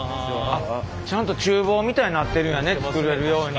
あっちゃんとちゅう房みたいになってるんやね作れるように。